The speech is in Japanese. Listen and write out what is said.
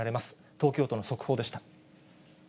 東京都の速報でした。